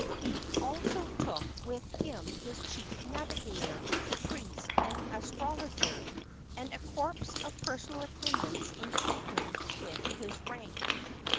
He also took with him his chief navigator, priest and astrologer, and a corps of personal attendants in keeping with his rank.